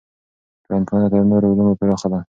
ټولنپوهنه تر نورو علومو پراخه ده.